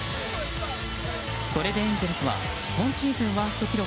これでエンゼルスは今シーズンワースト記録